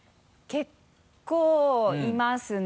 結構いますね。